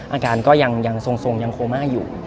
อาการก็ยังทรงยังโคม่าอยู่